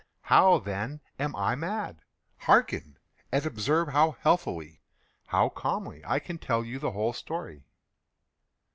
How, then, am I mad? Hearken! and observe how healthily—how calmly I can tell you the whole story.